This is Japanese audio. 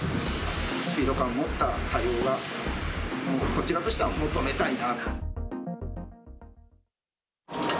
スピード感を持った対応が、こちらとしては求めたいな。